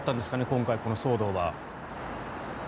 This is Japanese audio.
今回、この騒動は。